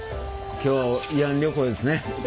今日は慰安旅行ですね。